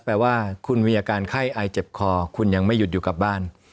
แปลว่าคุณมีอาการไข้อายเจ็บคอคุณยังไม่หยุดอยู่กลับบ้าน